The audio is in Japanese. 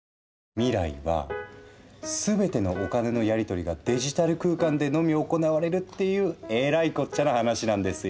未来は全てのお金のやりとりがデジタル空間でのみ行われるっていうえらいこっちゃな話なんですよ。